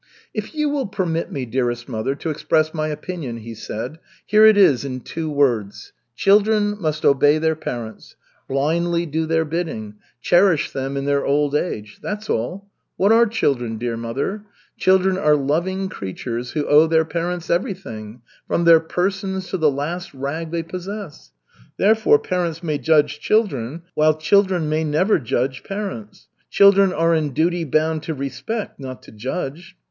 "If you will permit me, dearest mother, to express my opinion," he said, "here it is in two words: children must obey their parents, blindly do their bidding, cherish them in their old age. That's all! What are children, dear mother? Children are loving creatures who owe their parents everything, from their persons to the last rag they possess. Therefore, parents may judge children, while children may never judge parents. Children are in duty bound to respect, not to judge.